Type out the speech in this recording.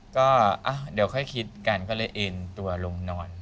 ก็เดี๋ยวค่อยคิดกันก็เลยเอ็นตัวลงนอน